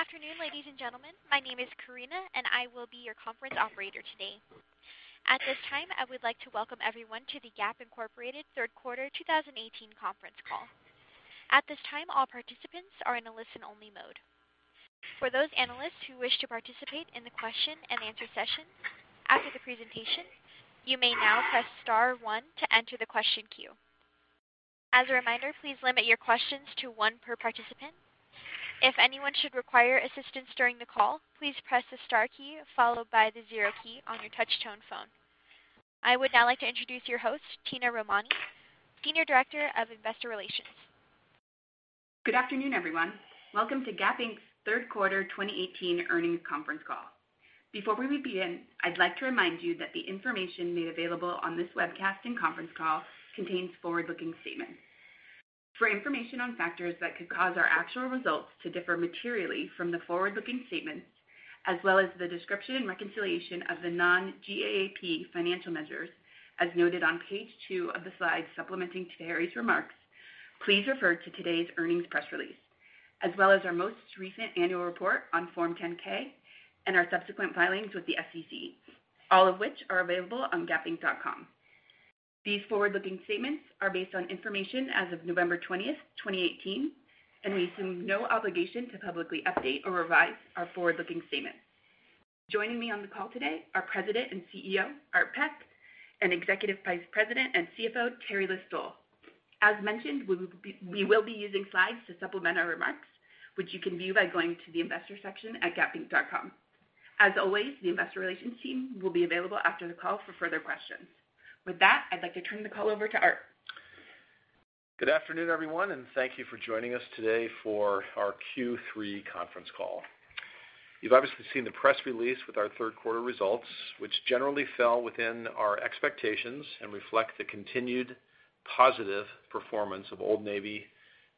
Good afternoon, ladies and gentlemen. My name is Karina, and I will be your conference operator today. At this time, I would like to welcome everyone to the Gap Incorporated third quarter 2018 conference call. At this time, all participants are in a listen-only mode. For those analysts who wish to participate in the question and answer session after the presentation, you may now press star one to enter the question queue. As a reminder, please limit your questions to one per participant. If anyone should require assistance during the call, please press the star key followed by the zero key on your touch-tone phone. I would now like to introduce your host, Tina Rahmani, Senior Director of Investor Relations. Good afternoon, everyone. Welcome to Gap Inc.'s third quarter 2018 earnings conference call. Before we begin, I'd like to remind you that the information made available on this webcast and conference call contains forward-looking statements. For information on factors that could cause our actual results to differ materially from the forward-looking statements, as well as the description and reconciliation of the non-GAAP financial measures, as noted on page two of the slides supplementing Teri's remarks, please refer to today's earnings press release, as well as our most recent annual report on Form 10-K and our subsequent filings with the SEC, all of which are available on gapinc.com. These forward-looking statements are based on information as of November 20th, 2018. We assume no obligation to publicly update or revise our forward-looking statements. Joining me on the call today are President and CEO, Art Peck and Executive Vice President and CFO, Teri List-Stoll. As mentioned, we will be using slides to supplement our remarks, which you can view by going to the investor section at gapinc.com. As always, the investor relations team will be available after the call for further questions. With that, I'd like to turn the call over to Art. Good afternoon, everyone. Thank you for joining us today for our Q3 conference call. You've obviously seen the press release with our third quarter results, which generally fell within our expectations and reflect the continued positive performance of Old Navy,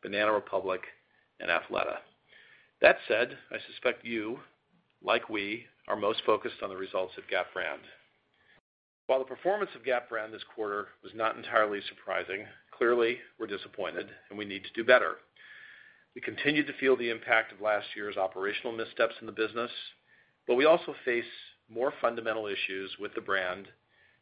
Banana Republic, and Athleta. That said, I suspect you, like we, are most focused on the results of Gap brand. While the performance of Gap brand this quarter was not entirely surprising, clearly we're disappointed. We need to do better. We continue to feel the impact of last year's operational missteps in the business. We also face more fundamental issues with the brand,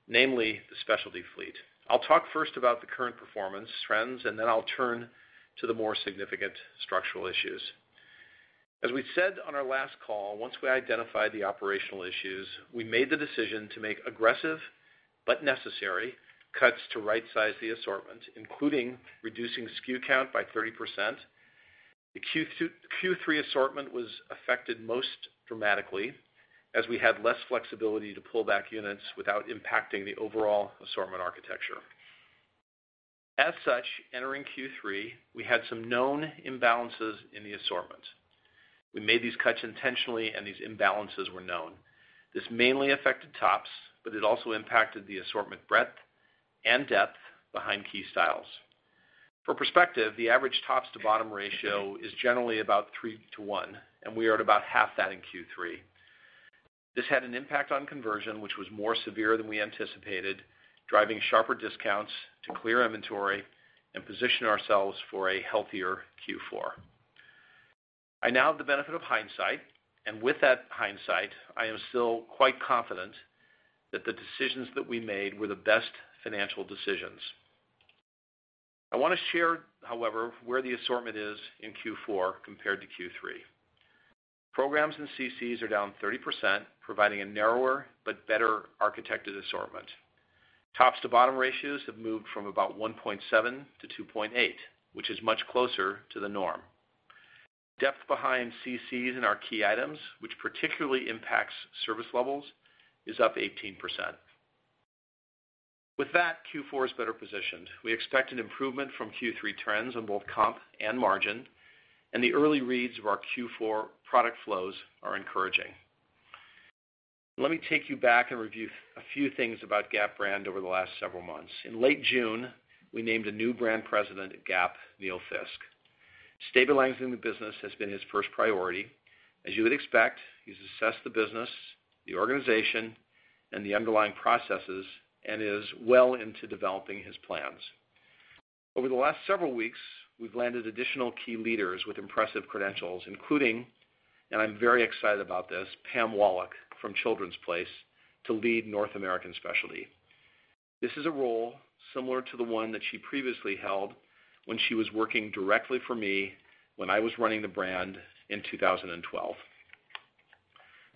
namely the specialty fleet. I'll talk first about the current performance trends. Then I'll turn to the more significant structural issues. As we said on our last call, once we identified the operational issues, we made the decision to make aggressive but necessary cuts to right-size the assortment, including reducing SKU count by 30%. The Q3 assortment was affected most dramatically as we had less flexibility to pull back units without impacting the overall assortment architecture. As such, entering Q3, we had some known imbalances in the assortment. We made these cuts intentionally, and these imbalances were known. This mainly affected tops, but it also impacted the assortment breadth and depth behind key styles. For perspective, the average top-to-bottom ratio is generally about three to one, and we are at about half that in Q3. This had an impact on conversion, which was more severe than we anticipated, driving sharper discounts to clear inventory and position ourselves for a healthier Q4. I now have the benefit of hindsight. With that hindsight, I am still quite confident that the decisions that we made were the best financial decisions. I want to share, however, where the assortment is in Q4 compared to Q3. Programs and CCs are down 30%, providing a narrower but better architected assortment. Top-to-bottom ratios have moved from about 1.7 to 2.8, which is much closer to the norm. Depth behind CCs in our key items, which particularly impacts service levels, is up 18%. With that, Q4 is better positioned. We expect an improvement from Q3 trends on both comp and margin, and the early reads of our Q4 product flows are encouraging. Let me take you back and review a few things about Gap brand over the last several months. In late June, we named a new brand president at Gap, Neil Fiske. Stabilizing the business has been his first priority. As you would expect, he's assessed the business, the organization, and the underlying processes and is well into developing his plans. Over the last several weeks, we've landed additional key leaders with impressive credentials, including, I'm very excited about this, Pam Wallack from The Children's Place to lead North American specialty. This is a role similar to the one that she previously held when she was working directly for me when I was running the brand in 2012.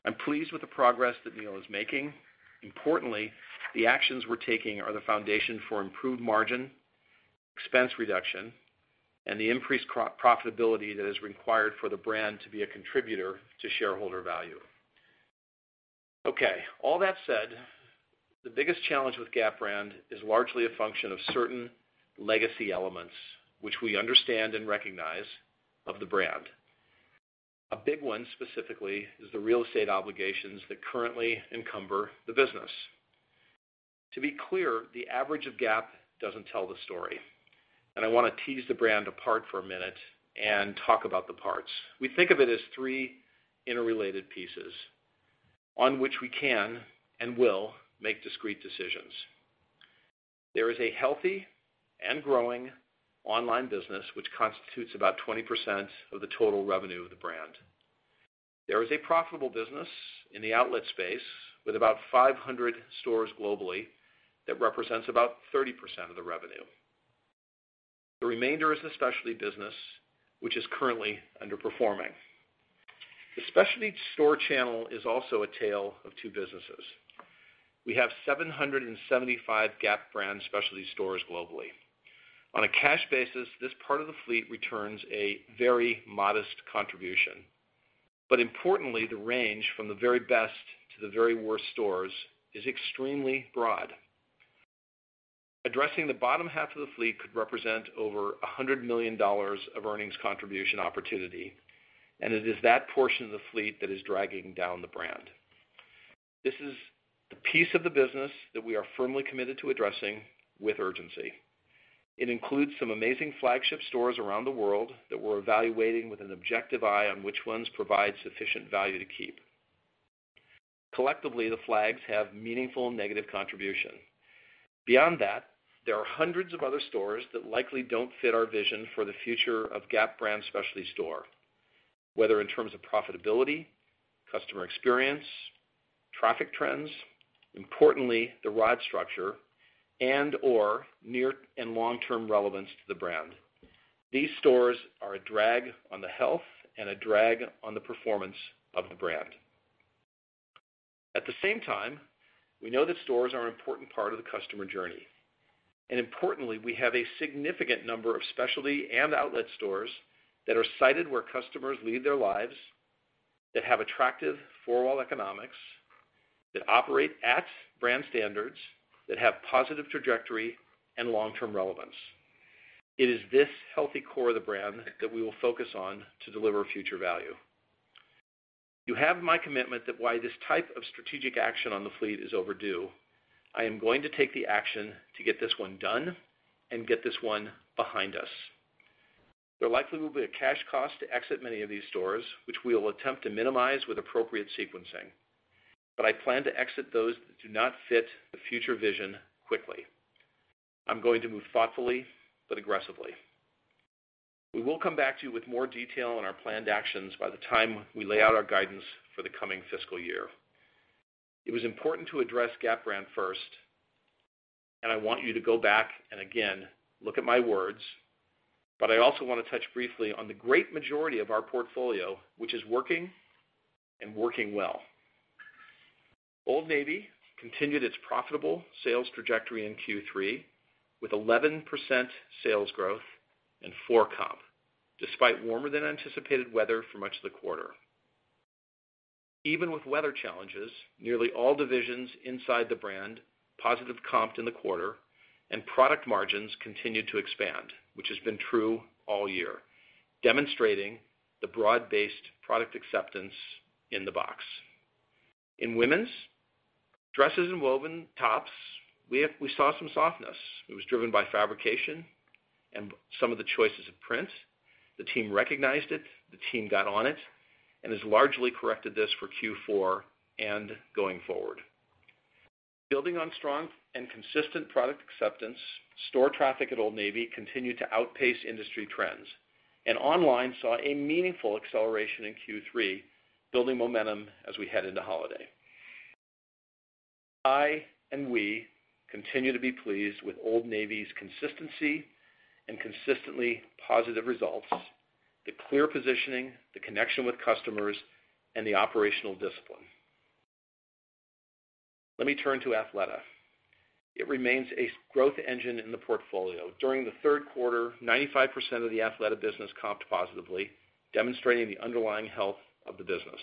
I'm pleased with the progress that Neil is making. Importantly, the actions we're taking are the foundation for improved margin, expense reduction, and the increased profitability that is required for the brand to be a contributor to shareholder value. Okay. All that said, the biggest challenge with Gap brand is largely a function of certain legacy elements, which we understand and recognize, of the brand. A big one specifically is the real estate obligations that currently encumber the business. To be clear, the average of Gap doesn't tell the story. I want to tease the brand apart for a minute and talk about the parts. We think of it as three interrelated pieces on which we can and will make discrete decisions. There is a healthy and growing online business, which constitutes about 20% of the total revenue of the brand. There is a profitable business in the outlet space, with about 500 stores globally, that represents about 30% of the revenue. The remainder is the specialty business, which is currently underperforming. The specialty store channel is also a tale of two businesses. We have 775 Gap brand specialty stores globally. On a cash basis, this part of the fleet returns a very modest contribution. Importantly, the range from the very best to the very worst stores is extremely broad. Addressing the bottom half of the fleet could represent over $100 million of earnings contribution opportunity, and it is that portion of the fleet that is dragging down the brand. This is the piece of the business that we are firmly committed to addressing with urgency. It includes some amazing flagship stores around the world that we're evaluating with an objective eye on which ones provide sufficient value to keep. Collectively, the flags have meaningful negative contribution. Beyond that, there are hundreds of other stores that likely don't fit our vision for the future of Gap brand specialty store, whether in terms of profitability; customer experience; traffic trends; importantly, the ROD structure; and/or near- and long-term relevance to the brand. These stores are a drag on the health and a drag on the performance of the brand. At the same time, we know that stores are an important part of the customer journey. Importantly, we have a significant number of specialty and outlet stores that are sited where customers lead their lives, that have attractive four-wall economics, that operate at brand standards, that have positive trajectory and long-term relevance. It is this healthy core of the brand that we will focus on to deliver future value. You have my commitment that while this type of strategic action on the fleet is overdue, I am going to take the action to get this one done and get this one behind us. There likely will be a cash cost to exit many of these stores, which we will attempt to minimize with appropriate sequencing. I plan to exit those that do not fit the future vision quickly. I'm going to move thoughtfully but aggressively. We will come back to you with more detail on our planned actions by the time we lay out our guidance for the coming fiscal year. It was important to address Gap brand first, and I want you to go back and again look at my words, but I also want to touch briefly on the great majority of our portfolio, which is working and working well. Old Navy continued its profitable sales trajectory in Q3 with 11% sales growth and four comp, despite warmer than anticipated weather for much of the quarter. Even with weather challenges, nearly all divisions inside the brand positive comped in the quarter, and product margins continued to expand, which has been true all year, demonstrating the broad-based product acceptance in the box. In women's dresses and woven tops, we saw some softness. It was driven by fabrication and some of the choices of prints. The team recognized it, the team got on it, and has largely corrected this for Q4 and going forward. Building on strong and consistent product acceptance, store traffic at Old Navy continued to outpace industry trends, and online saw a meaningful acceleration in Q3, building momentum as we head into holiday. I, and we, continue to be pleased with Old Navy's consistency and consistently positive results, the clear positioning, the connection with customers, and the operational discipline. Let me turn to Athleta. It remains a growth engine in the portfolio. During the third quarter, 95% of the Athleta business comped positively, demonstrating the underlying health of the business.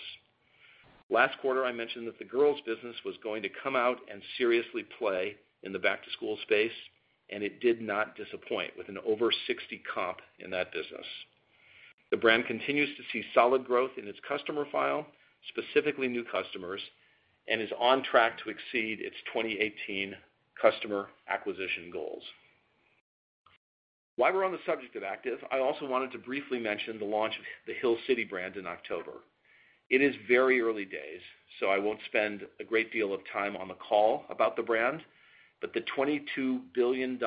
Last quarter, I mentioned that the girls' business was going to come out and seriously play in the back-to-school space, and it did not disappoint, with an over 60 comp in that business. The brand continues to see solid growth in its customer file, specifically new customers, and is on track to exceed its 2018 customer acquisition goals. While we're on the subject of active, I also wanted to briefly mention the launch of the Hill City brand in October. It is very early days; I won't spend a great deal of time on the call about the brand, but the $22 billion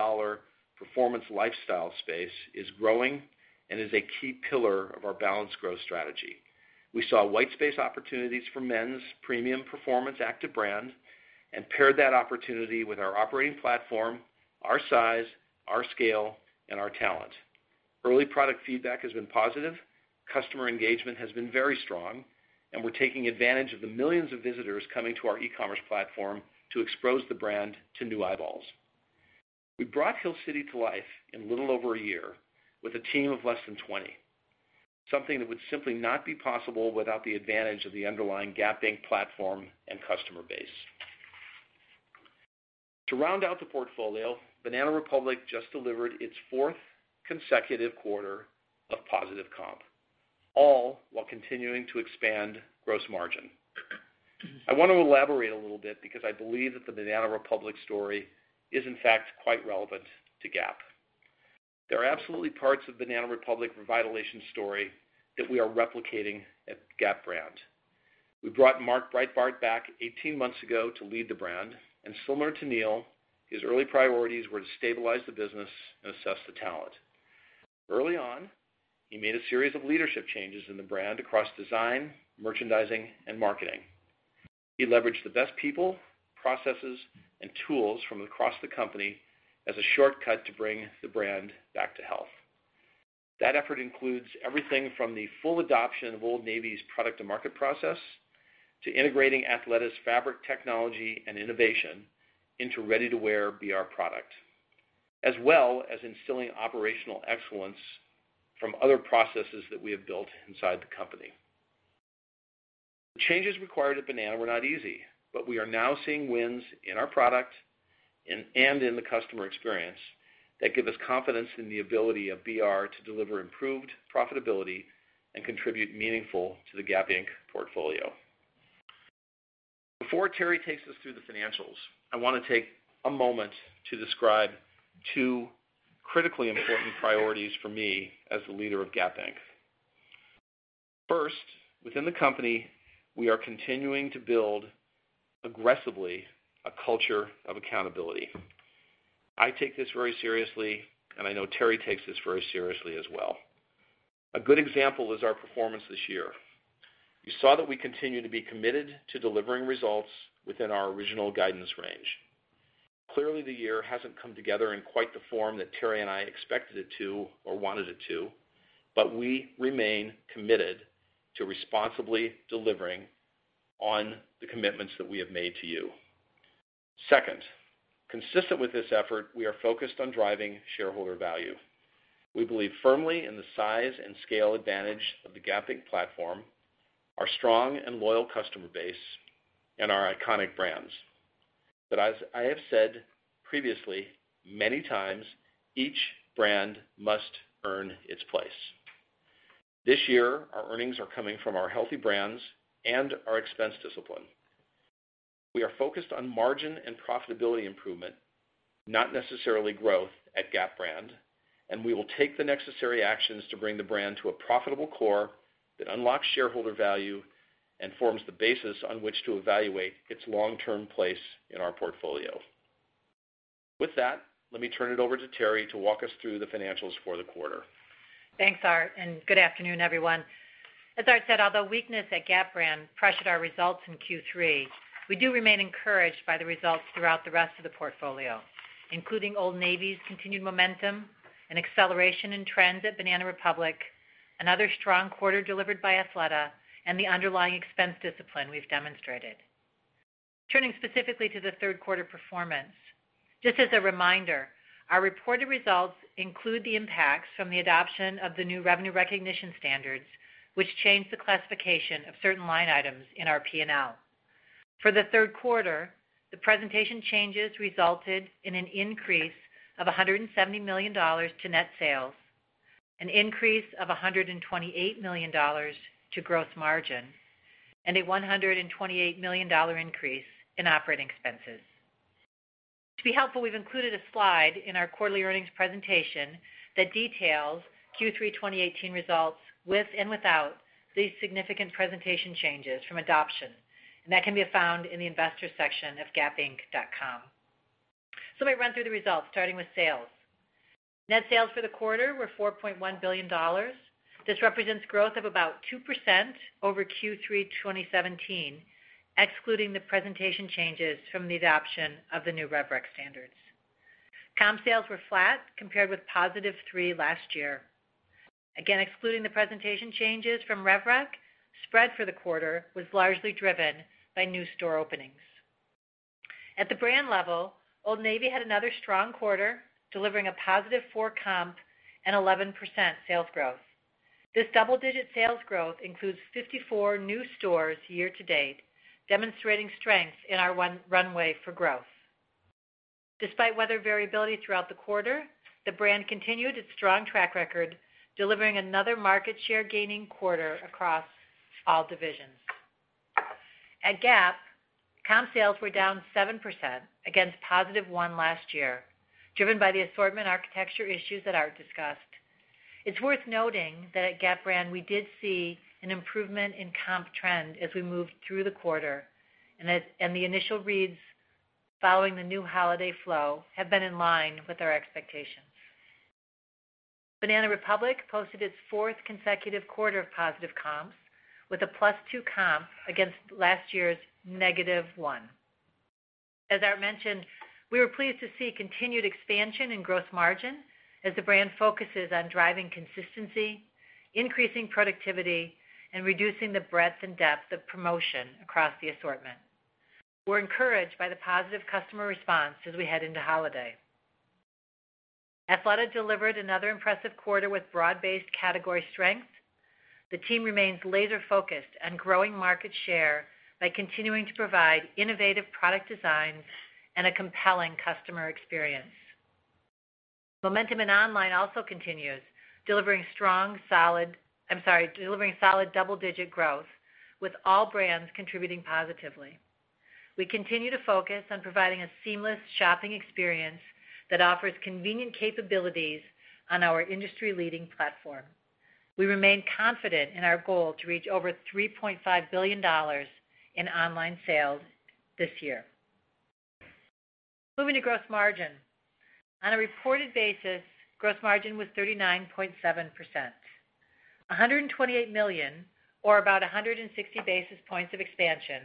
performance lifestyle space is growing and is a key pillar of our balanced growth strategy. We saw white space opportunities for men's premium performance active brand and paired that opportunity with our operating platform, our size, our scale, and our talent. Early product feedback has been positive. Customer engagement has been very strong, and we're taking advantage of the millions of visitors coming to our e-commerce platform to expose the brand to new eyeballs. We brought Hill City to life in a little over a year with a team of less than 20, something that would simply not be possible without the advantage of the underlying Gap Inc. platform and customer base. To round out the portfolio, Banana Republic just delivered its fourth consecutive quarter of positive comp, all while continuing to expand gross margin. I want to elaborate a little bit because I believe that the Banana Republic story is, in fact, quite relevant to Gap. There are absolutely parts of Banana Republic revitalization story that we are replicating at Gap brand. We brought Mark Breitbard back 18 months ago to lead the brand, and similar to Neil, his early priorities were to stabilize the business and assess the talent. Early on, he made a series of leadership changes in the brand across design, merchandising, and marketing. He leveraged the best people, processes, and tools from across the company as a shortcut to bring the brand back to health. That effort includes everything from the full adoption of Old Navy's product to market process to integrating Athleta's fabric technology and innovation into ready-to-wear BR product, as well as instilling operational excellence from other processes that we have built inside the company. The changes required at Banana were not easy, but we are now seeing wins in our product and in the customer experience that give us confidence in the ability of BR to deliver improved profitability and contribute meaningful to the Gap Inc. portfolio. Before Teri takes us through the financials, I want to take a moment to describe two critically important priorities for me as the leader of Gap Inc. First, within the company, we are continuing to build aggressively a culture of accountability. I take this very seriously, and I know Teri takes this very seriously as well. A good example is our performance this year. You saw that we continue to be committed to delivering results within our original guidance range. Clearly, the year hasn't come together in quite the form that Teri and I expected it to or wanted it to, but we remain committed to responsibly delivering on the commitments that we have made to you. Second, consistent with this effort, we are focused on driving shareholder value. We believe firmly in the size and scale advantage of the Gap Inc. platform, our strong and loyal customer base, and our iconic brands. As I have said previously, many times, each brand must earn its place. This year, our earnings are coming from our healthy brands and our expense discipline. We are focused on margin and profitability improvement, not necessarily growth at Gap brand. We will take the necessary actions to bring the brand to a profitable core that unlocks shareholder value and forms the basis on which to evaluate its long-term place in our portfolio. With that, let me turn it over to Teri to walk us through the financials for the quarter. Thanks, Art. Good afternoon, everyone. As Art said, although weakness at Gap brand pressured our results in Q3, we do remain encouraged by the results throughout the rest of the portfolio, including Old Navy's continued momentum and acceleration in trends at Banana Republic, another strong quarter delivered by Athleta, and the underlying expense discipline we've demonstrated. Turning specifically to the third-quarter performance. Just as a reminder, our reported results include the impacts from the adoption of the new revenue recognition standards, which change the classification of certain line items in our P&L. For the third quarter, the presentation changes resulted in an increase of $170 million to net sales, an increase of $128 million to gross margin, and a $128 million increase in operating expenses. To be helpful, we've included a slide in our quarterly earnings presentation that details Q3 2018 results with and without these significant presentation changes from adoption. That can be found in the investors section of gapinc.com. Let me run through the results, starting with sales. Net sales for the quarter were $4.1 billion. This represents growth of about 2% over Q3 2017, excluding the presentation changes from the adoption of the new rev rec standards. Comp sales were flat compared with positive three last year. Again, excluding the presentation changes from rev rec, spread for the quarter was largely driven by new store openings. At the brand level, Old Navy had another strong quarter, delivering a positive four comp and 11% sales growth. This double-digit sales growth includes 54 new stores year to date, demonstrating strength in our runway for growth. Despite weather variability throughout the quarter, the brand continued its strong track record, delivering another market share-gaining quarter across all divisions. At Gap, comp sales were down 7% against positive 1% last year, driven by the assortment architecture issues that Art discussed. It's worth noting that at Gap brand, we did see an improvement in comp trend as we moved through the quarter, and the initial reads following the new holiday flow have been in line with our expectations. Banana Republic posted its fourth consecutive quarter of positive comps with a plus 2% comp against last year's negative 1%. As Art mentioned, we were pleased to see continued expansion in gross margin as the brand focuses on driving consistency, increasing productivity, and reducing the breadth and depth of promotion across the assortment. We're encouraged by the positive customer response as we head into holiday. Athleta delivered another impressive quarter with broad-based category strength. The team remains laser-focused on growing market share by continuing to provide innovative product designs and a compelling customer experience. Momentum in online also continues, delivering solid double-digit growth with all brands contributing positively. We continue to focus on providing a seamless shopping experience that offers convenient capabilities on our industry-leading platform. We remain confident in our goal to reach over $3.5 billion in online sales this year. Moving to gross margin. On a reported basis, gross margin was 39.7%. $128 million or about 160 basis points of expansion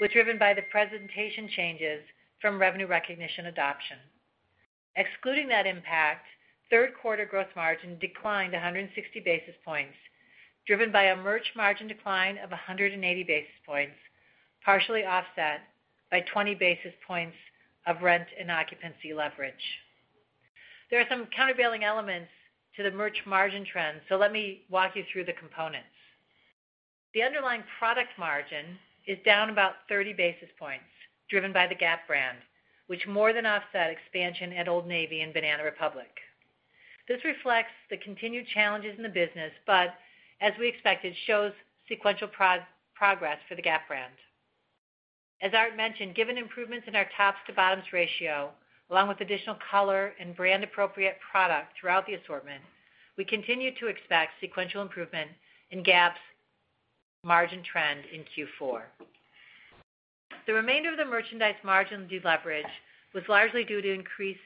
was driven by the presentation changes from revenue recognition adoption. Excluding that impact, third quarter gross margin declined 160 basis points, driven by a merch margin decline of 180 basis points, partially offset by 20 basis points of rent and occupancy leverage. There are some countervailing elements to the merch margin trends; let me walk you through the components. The underlying product margin is down about 30 basis points, driven by the Gap brand, which more than offset expansion at Old Navy and Banana Republic. This reflects the continued challenges in the business, as we expected, shows sequential progress for the Gap brand. As Art mentioned, given improvements in our tops-to-bottoms ratio, along with additional color and brand-appropriate product throughout the assortment, we continue to expect sequential improvement in Gap's margin trend in Q4. The remainder of the merchandise margin deleverage was largely due to increased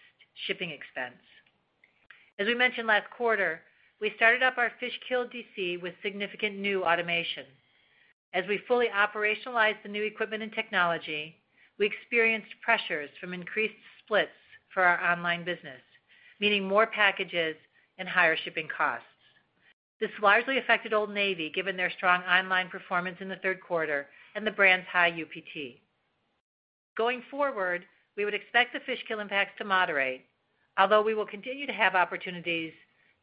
shipping expense. As we mentioned last quarter, we started up our Fishkill DC with significant new automation. As we fully operationalize the new equipment and technology, we experienced pressures from increased splits for our online business, meaning more packages and higher shipping costs. This largely affected Old Navy, given their strong online performance in the third quarter and the brand's high UPT. Going forward, we would expect the Fishkill impacts to moderate, although we will continue to have opportunities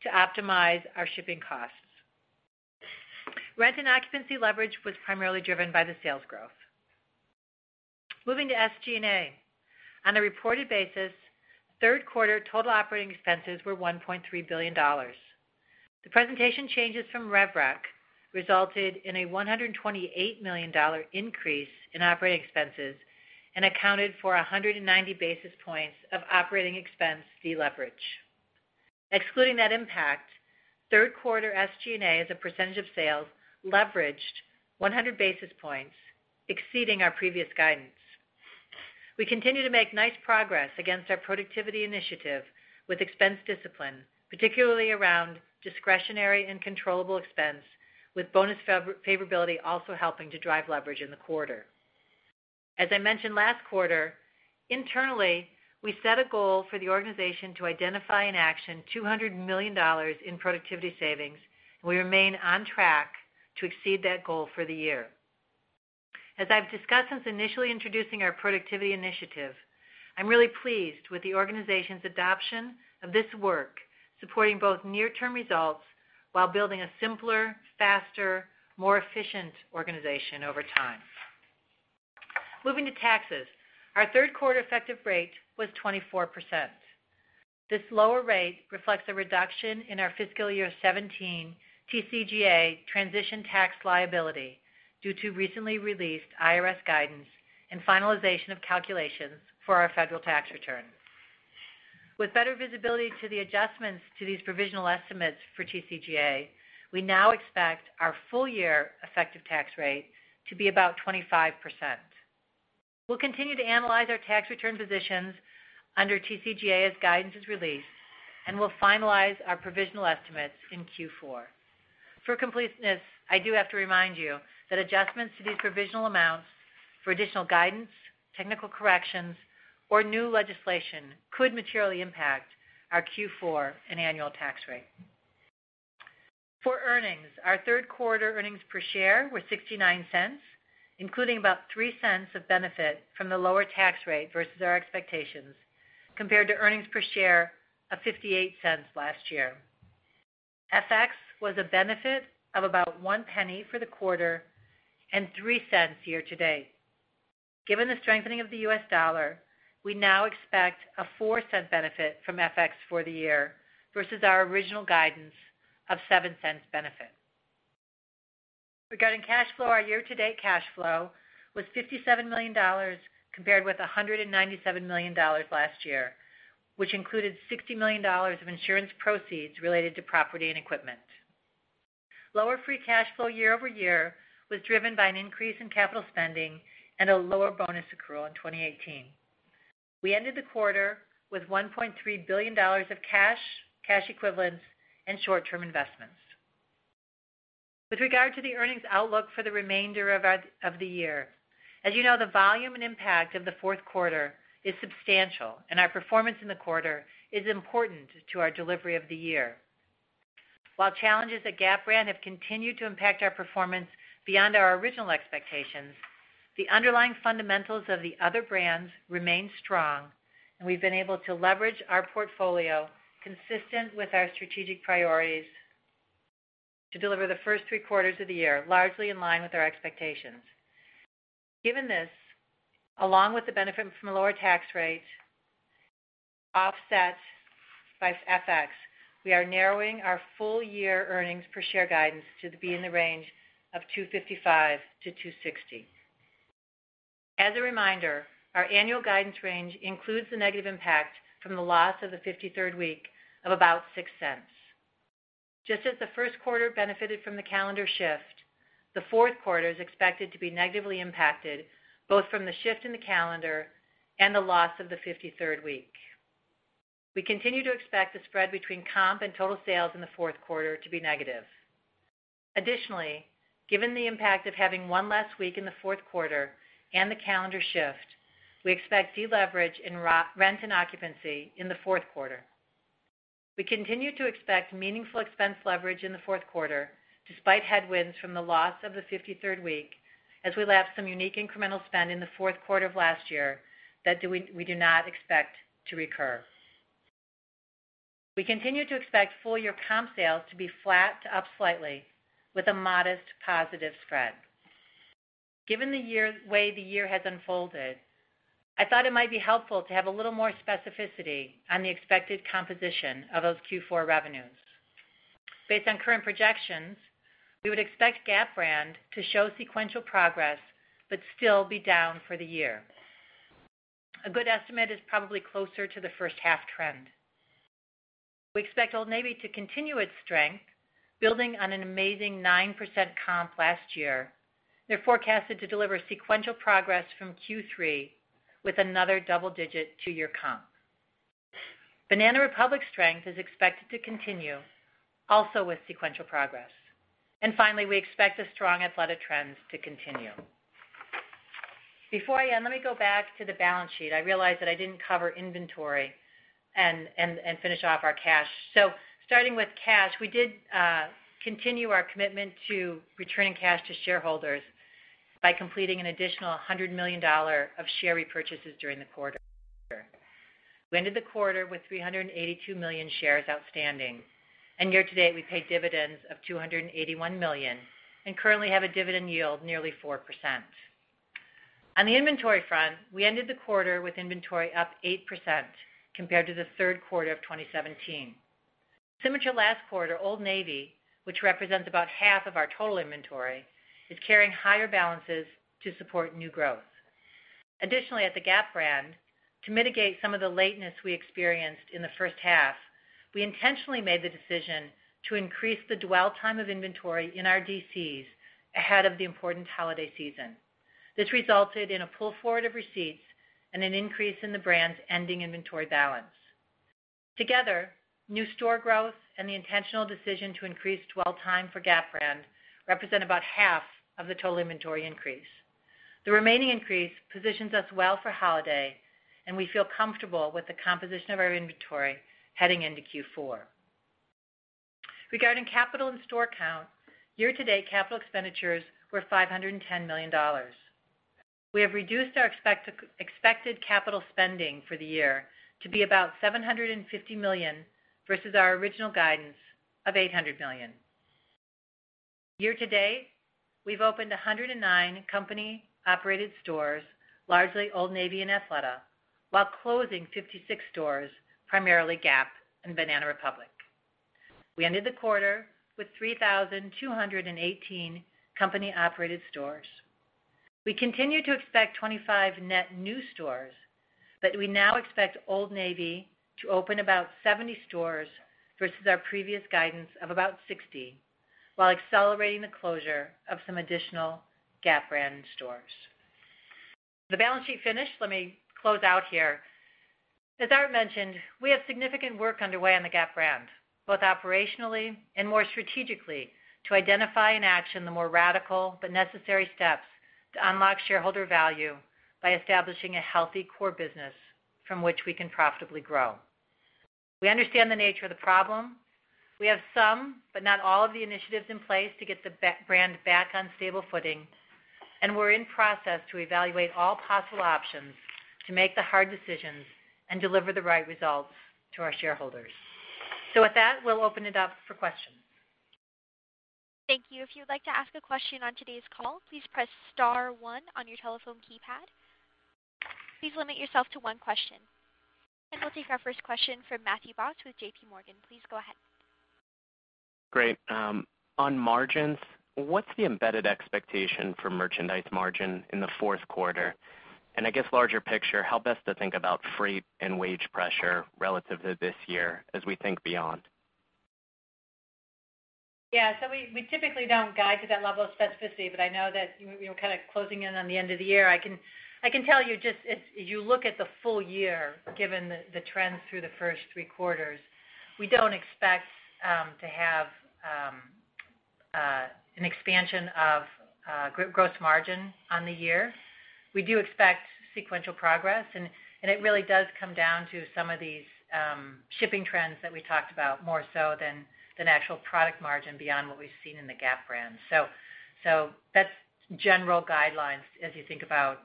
to optimize our shipping costs. Rent and occupancy leverage was primarily driven by the sales growth. Moving to SG&A. On a reported basis, third quarter total operating expenses were $1.3 billion. The presentation changes from rev rec resulted in a $128 million increase in operating expenses and accounted for 190 basis points of operating expense deleverage. Excluding that impact, third quarter SG&A as a percentage of sales leveraged 100 basis points, exceeding our previous guidance. We continue to make nice progress against our productivity initiative with expense discipline, particularly around discretionary and controllable expense with bonus favorability also helping to drive leverage in the quarter. As I mentioned last quarter, internally, we set a goal for the organization to identify and action $200 million in productivity savings, and we remain on track to exceed that goal for the year. As I've discussed since initially introducing our productivity initiative, I'm really pleased with the organization's adoption of this work, supporting both near-term results while building a simpler, faster, more efficient organization over time. Moving to taxes. Our third quarter effective rate was 24%. This lower rate reflects a reduction in our fiscal year 2017 TCJA transition tax liability due to recently released IRS guidance and finalization of calculations for our federal tax return. With better visibility to the adjustments to these provisional estimates for TCJA, we now expect our full year effective tax rate to be about 25%. We'll continue to analyze our tax return positions under TCJA as guidance is released, and we'll finalize our provisional estimates in Q4. For completeness, I do have to remind you that adjustments to these provisional amounts for additional guidance, technical corrections, or new legislation could materially impact our Q4 and annual tax rate. For earnings, our third-quarter earnings per share were $0.69, including about $0.03 of benefit from the lower tax rate versus our expectations compared to earnings per share of $0.58 last year. FX was a benefit of about $0.01 for the quarter and $0.03 year-to-date. Given the strengthening of the U.S. dollar, we now expect a $0.04 benefit from FX for the year versus our original guidance of $0.07 benefit. Regarding cash flow, our year-to-date cash flow was $57 million compared with $197 million last year, which included $60 million of insurance proceeds related to property and equipment. Lower free cash flow year-over-year was driven by an increase in capital spending and a lower bonus accrual in 2018. We ended the quarter with $1.3 billion of cash equivalents and short-term investments. With regard to the earnings outlook for the remainder of the year, as you know, the volume and impact of the fourth quarter is substantial, and our performance in the quarter is important to our delivery of the year. While challenges at Gap brand have continued to impact our performance beyond our original expectations, the underlying fundamentals of the other brands remain strong, and we've been able to leverage our portfolio consistent with our strategic priorities to deliver the first three quarters of the year, largely in line with our expectations. Given this, along with the benefit from the lower tax rate offset by FX, we are narrowing our full-year earnings per share guidance to be in the range of $2.55-$2.60. As a reminder, our annual guidance range includes the negative impact from the loss of the fifty-third week of about $0.06. Just as the first quarter benefited from the calendar shift, the fourth quarter is expected to be negatively impacted, both from the shift in the calendar and the loss of the fifty-third week. We continue to expect the spread between comp and total sales in the fourth quarter to be negative. Additionally, given the impact of having one less week in the fourth quarter and the calendar shift, we expect deleverage in rent and occupancy in the fourth quarter. We continue to expect meaningful expense leverage in the fourth quarter, despite headwinds from the loss of the 53rd week, as we lap some unique incremental spend in the fourth quarter of last year that we do not expect to recur. We continue to expect full year comp sales to be flat to up slightly with a modest positive spread. Given the way the year has unfolded, I thought it might be helpful to have a little more specificity on the expected composition of those Q4 revenues. Based on current projections, we would expect Gap brand to show sequential progress but still be down for the year. A good estimate is probably closer to the first-half trend. We expect Old Navy to continue its strength, building on an amazing 9% comp last year. They're forecasted to deliver sequential progress from Q3 with another double-digit two-year comp. Banana Republic strength is expected to continue, also with sequential progress. Finally, we expect the strong Athleta trends to continue. Before I end, let me go back to the balance sheet. I realized that I didn't cover inventory and finish off our cash. Starting with cash, we did continue our commitment to returning cash to shareholders by completing an additional $100 million of share repurchases during the quarter. We ended the quarter with 382 million shares outstanding. Year to date we paid dividends of $281 million and currently have a dividend yield nearly 4%. On the inventory front, we ended the quarter with inventory up 8% compared to the third quarter of 2017. Similar to last quarter, Old Navy, which represents about half of our total inventory, is carrying higher balances to support new growth. Additionally, at the Gap brand, to mitigate some of the lateness we experienced in the first half, we intentionally made the decision to increase the dwell time of inventory in our DCs ahead of the important holiday season. This resulted in a pull forward of receipts and an increase in the brand's ending inventory balance. Together, new store growth and the intentional decision to increase dwell time for Gap brand represent about half of the total inventory increase. The remaining increase positions us well for holiday, and we feel comfortable with the composition of our inventory heading into Q4. Regarding capital and store count, year-to-date capital expenditures were $510 million. We have reduced our expected capital spending for the year to be about $750 million versus our original guidance of $800 million. Year-to-date, we've opened 109 company-operated stores, largely Old Navy and Athleta, while closing 56 stores, primarily Gap and Banana Republic. We ended the quarter with 3,218 company-operated stores. We continue to expect 25 net new stores, but we now expect Old Navy to open about 70 stores versus our previous guidance of about 60, while accelerating the closure of some additional Gap brand stores. The balance sheet finished. Let me close out here. As Art mentioned, we have significant work underway on the Gap brand, both operationally and more strategically, to identify and action the more radical but necessary steps to unlock shareholder value by establishing a healthy core business from which we can profitably grow. We understand the nature of the problem. We have some, but not all of the initiatives in place to get the brand back on stable footing. We're in process to evaluate all possible options to make the hard decisions and deliver the right results to our shareholders. With that, we'll open it up for questions. Thank you. If you'd like to ask a question on today's call, please press star one on your telephone keypad. Please limit yourself to one question. We'll take our first question from Matthew Boss with JPMorgan. Please go ahead. Great. On margins, what's the embedded expectation for merchandise margin in the fourth quarter? I guess larger picture, how best to think about freight and wage pressure relative to this year as we think beyond? Yeah. We typically don't guide to that level of specificity, but I know that we're kind of closing in on the end of the year. I can tell you just if you look at the full year, given the trends through the first three quarters, we don't expect to have an expansion of group gross margin on the year. We do expect sequential progress, and it really does come down to some of these shipping trends that we talked about more so than actual product margin beyond what we've seen in the Gap brand. That's general guidelines as you think about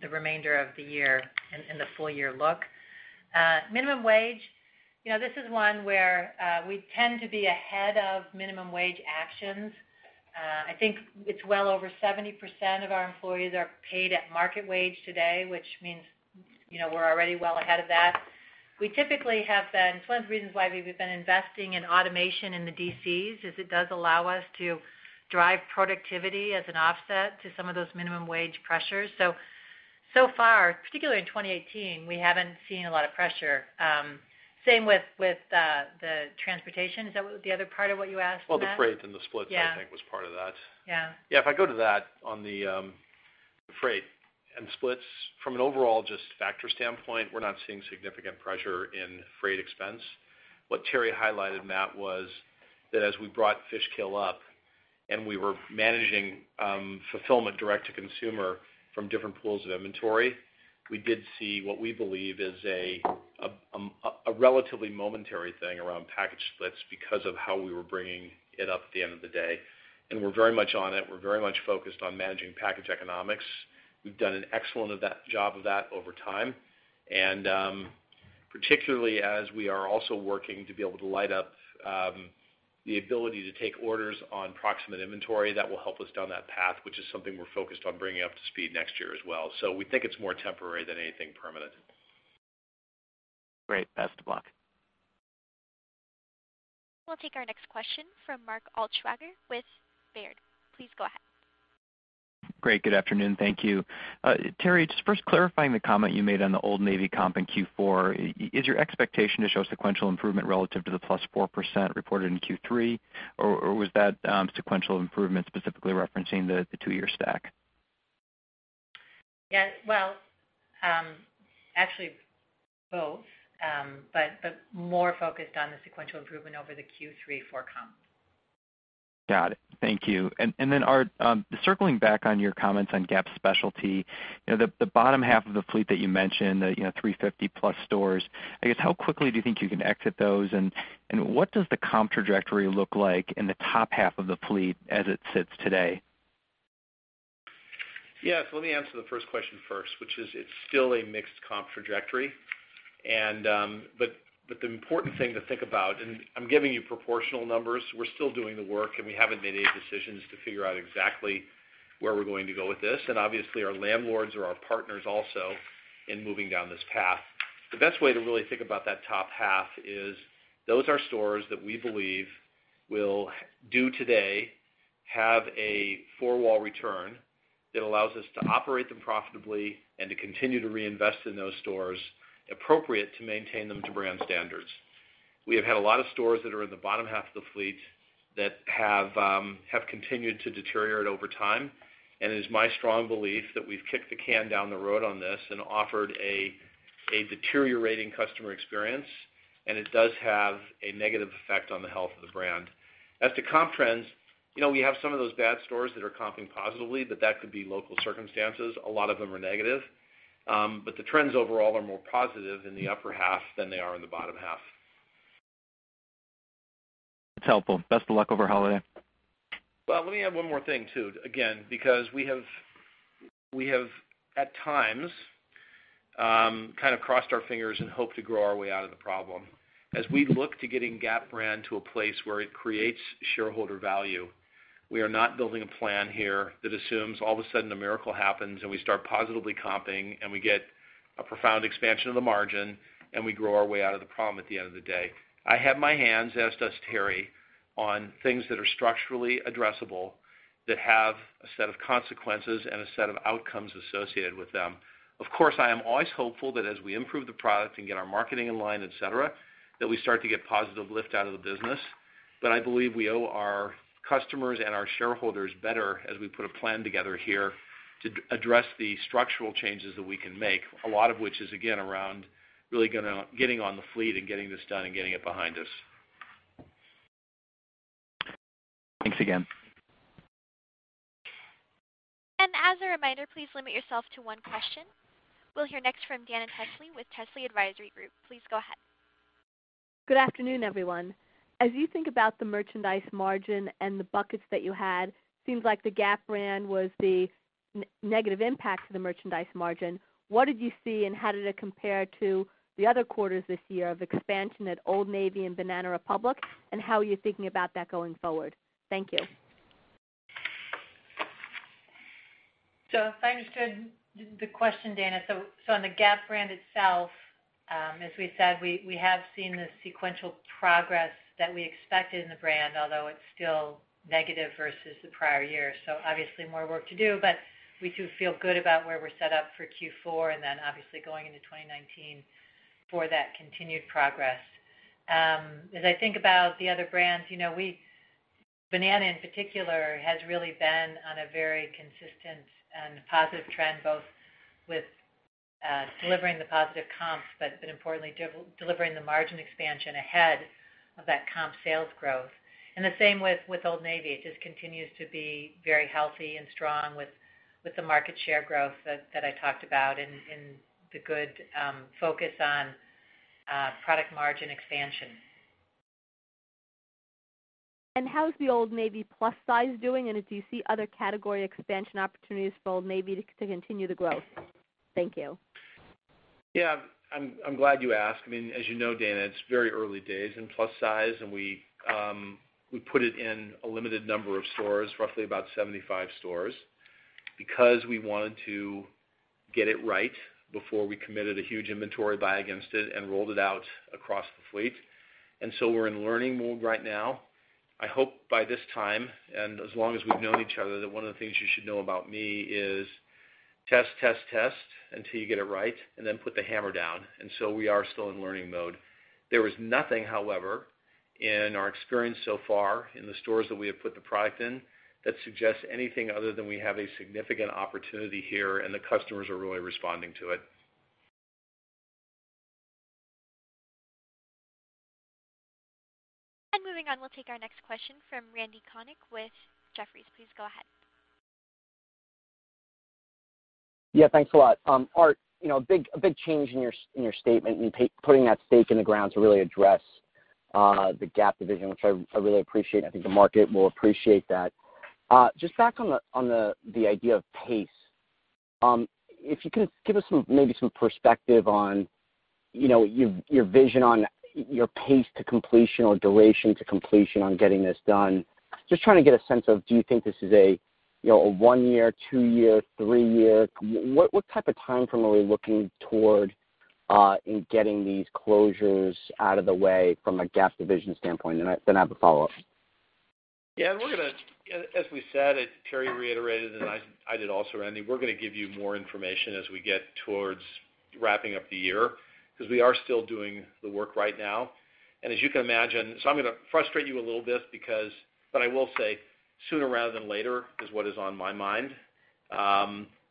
the remainder of the year and the full-year look. Minimum wage: this is one where we tend to be ahead of minimum wage actions. I think it's well over 70% of our employees are paid at market wage today, which means we're already well ahead of that. It's one of the reasons why we've been investing in automation in the DCs, is it does allow us to drive productivity as an offset to some of those minimum wage pressures. So far, particularly in 2018, we haven't seen a lot of pressure. Same with the transportation. Is that the other part of what you asked, Matt? Well, the freight and the splits Yeah I think was part of that. Yeah. Yeah. If I go to that on the freight and splits, from an overall just factor standpoint, we're not seeing significant pressure in freight expense. What Teri highlighted, Matt, was that as we brought Fishkill up and we were managing fulfillment direct to consumer from different pools of inventory, we did see what we believe is a relatively momentary thing around package splits because of how we were bringing it up at the end of the day, and we're very much on it. We're very much focused on managing package economics. We've done an excellent job of that over time, and particularly as we are also working to be able to light up the ability to take orders on proximate inventory, that will help us down that path, which is something we're focused on bringing up to speed next year as well. We think it's more temporary than anything permanent. Great. Best of luck. We'll take our next question from Mark Altschwager with Baird. Please go ahead. Great. Good afternoon. Thank you. Teri, just first clarifying the comment you made on the Old Navy comp in Q4, is your expectation to show sequential improvement relative to the plus four percent reported in Q3, or was that sequential improvement specifically referencing the two-year stack? Actually both, but more focused on the sequential improvement over the Q3 for comp. Got it. Thank you. Art, circling back on your comments on Gap specialty, the bottom half of the fleet that you mentioned, the 350-plus stores, I guess how quickly do you think you can exit those, and what does the comp trajectory look like in the top half of the fleet as it sits today? Let me answer the first question first, which is it's still a mixed comp trajectory. The important thing to think about, and I'm giving you proportional numbers, we're still doing the work, and we haven't made any decisions to figure out exactly where we're going to go with this. Obviously, our landlords are our partners also in moving down this path. The best way to really think about that top half is those are stores that we believe will do today, have a four-wall return that allows us to operate them profitably and to continue to reinvest in those stores appropriate to maintain them to brand standards. We have had a lot of stores that are in the bottom half of the fleet that have continued to deteriorate over time, and it is my strong belief that we've kicked the can down the road on this and offered a deteriorating customer experience, and it does have a negative effect on the health of the brand. As to comp trends, we have some of those bad stores that are comping positively, but that could be local circumstances. A lot of them are negative. The trends overall are more positive in the upper half than they are in the bottom half. That's helpful. Best of luck over holiday. Let me add one more thing, too. Again, because we have at times kind of crossed our fingers and hoped to grow our way out of the problem. As we look to getting Gap brand to a place where it creates shareholder value, we are not building a plan here that assumes all of a sudden a miracle happens and we start positively comping and we get a profound expansion of the margin and we grow our way out of the problem at the end of the day. I have my hands, as does Teri, on things that are structurally addressable that have a set of consequences and a set of outcomes associated with them. Of course, I am always hopeful that as we improve the product and get our marketing in line, et cetera, that we start to get positive lift out of the business. I believe we owe our customers and our shareholders better as we put a plan together here to address the structural changes that we can make, a lot of which is, again, around really getting on the fleet and getting this done and getting it behind us. Thanks again. As a reminder, please limit yourself to one question. We'll hear next from Dana Telsey with Telsey Advisory Group. Please go ahead. Good afternoon, everyone. You think about the merchandise margin and the buckets that you had, seems like the Gap brand was the negative impact to the merchandise margin. What did you see and how did it compare to the other quarters this year of expansion at Old Navy and Banana Republic, and how are you thinking about that going forward? Thank you. If I understood the question, Dana, on the Gap brand itself, as we said, we have seen the sequential progress that we expected in the brand, although it's still negative versus the prior year. Obviously more work to do, but we do feel good about where we're set up for Q4 and then obviously going into 2019 for that continued progress. I think about the other brands; Banana in particular has really been on a very consistent and positive trend, both with delivering the positive comps, but importantly, delivering the margin expansion ahead of that comp sales growth. The same with Old Navy. It just continues to be very healthy and strong with the market share growth that I talked about and the good focus on product margin expansion. How is the Old Navy plus size doing, and do you see other category expansion opportunities for Old Navy to continue to grow? Thank you. Yeah. I'm glad you asked. As you know, Dana, it's very early days in plus size; we put it in a limited number of stores, roughly about 75 stores, because we wanted to get it right before we committed a huge inventory buy against it and rolled it out across the fleet. So we're in learning mode right now. I hope by this time, as long as we've known each other, that one of the things you should know about me is test, test until you get it right, and then put the hammer down. So we are still in learning mode. There is nothing, however, in our experience so far in the stores that we have put the product in that suggests anything other than we have a significant opportunity here and the customers are really responding to it. Moving on, we'll take our next question from Randal Konik with Jefferies. Please go ahead. Yeah, thanks a lot. Art, a big change in your statement in putting that stake in the ground to really address the Gap division, which I really appreciate, and I think the market will appreciate that. Just back on the idea of pace. If you could give us maybe some perspective on your vision on your pace to completion or duration to completion on getting this done. Just trying to get a sense of, do you think this is a one-year, two-year, three-year, what type of time frame are we looking toward in getting these closures out of the way from a Gap division standpoint? Then I have a follow-up. "Yeah, as we said," Teri reiterated, "I did also, Randy, we're going to give you more information as we get towards wrapping up the year because we are still doing the work right now." As you can imagine, I'm going to frustrate you a little bit. I will say sooner rather than later is what is on my mind.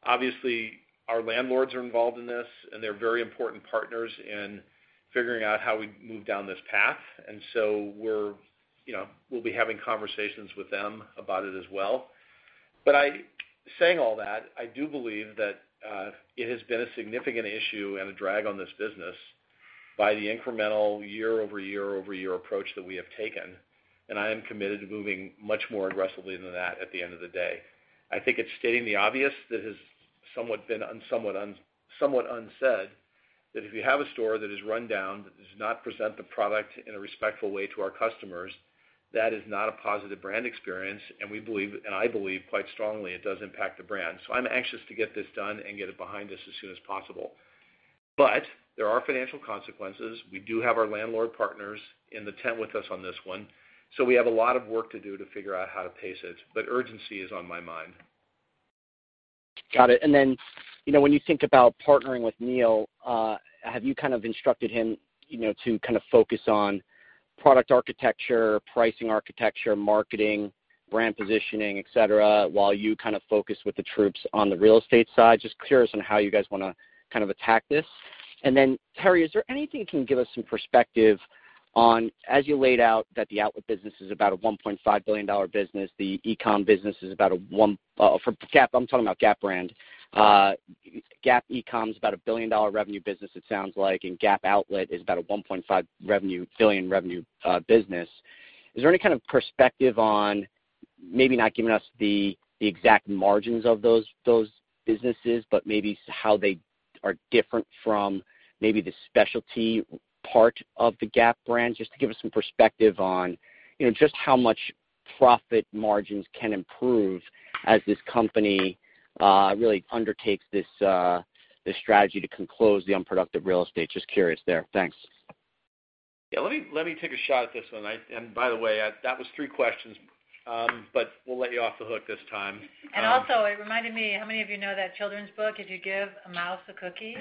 Obviously, our landlords are involved in this, and they're very important partners in figuring out how we move down this path, so we'll be having conversations with them about it as well. Saying all that, I do believe that it has been a significant issue and a drag on this business by the incremental year-over-year-over-year approach that we have taken, and I am committed to moving much more aggressively than that at the end of the day. I think it's stating the obvious. That has somewhat been unsaid, that if you have a store that is run down, that does not present the product in a respectful way to our customers, that is not a positive brand experience, and we believe, and I believe quite strongly, it does impact the brand. I'm anxious to get this done and get it behind us as soon as possible. There are financial consequences. We do have our landlord partners in the tent with us on this one; we have a lot of work to do to figure out how to pace it, but urgency is on my mind. Got it. When you think about partnering with Neil, have you instructed him to focus on product architecture, pricing architecture, marketing, brand positioning, et cetera, while you focus with the troops on the real estate side? Just curious on how you guys want to attack this. Teri, is there anything you can give us some perspective on, as you laid out that the outlet business is about a $1.5 billion business, the e-com business is about for Gap; I'm talking about Gap brand. Gap e-com is about a billion-dollar revenue business, it sounds like, and Gap outlet is about a $1.5 billion revenue business. Is there any kind of perspective on maybe not giving us the exact margins of those businesses, but maybe how they are different from maybe the specialty part of the Gap brand, just to give us some perspective on just how much profit margins can improve as this company really undertakes this strategy to close the unproductive real estate? Just curious there. Thanks. Yeah, let me take a shot at this one. By the way, that was three questions, but we'll let you off the hook this time. It reminded me, how many of you know that children's book, "If You Give a Mouse a Cookie"?